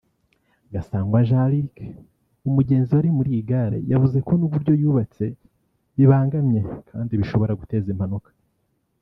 Gasangwa Jean Luke umugenzi wari muri iyi gare yavuze ko n’uburyo yubatse bibangamye kandi bishobora guteza impanuka